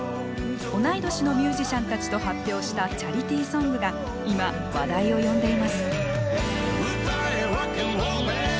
同い年のミュージシャンたちと発表したチャリティーソングが今話題を呼んでいます。